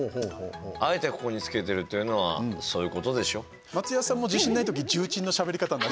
あえてここに付けてるというのはそういうことでしょ。